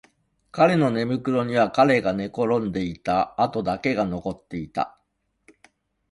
彼の寝袋には彼が寝転んでいた跡だけが残っていた